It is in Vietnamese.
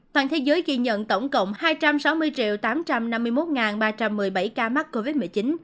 toàn thế giới ghi nhận tổng cộng hai trăm sáu mươi tám trăm năm mươi một ba trăm một mươi bảy ca mắc covid một mươi chín